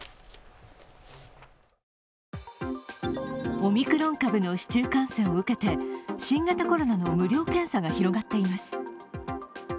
オミクロン株の市中感染を受けて新型コロナの無料検査が広がっています。